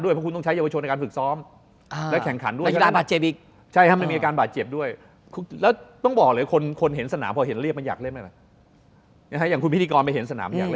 อย่างคุณพิธีกรไปเห็นสนามอยากเล่นไหมล่ะ